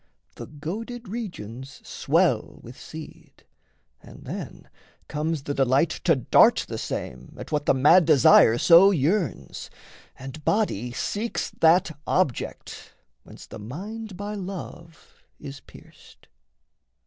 The goaded regions swell with seed, and then Comes the delight to dart the same at what The mad desire so yearns, and body seeks That object, whence the mind by love is pierced.